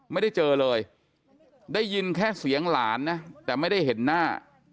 ไม่ได้เจอเลยได้ยินแค่เสียงหลานนะแต่ไม่ได้เห็นหน้า